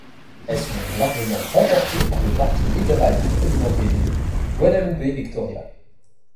Elles sont largement remportés par le Parti libéral du président élu, Guadalupe Victoria.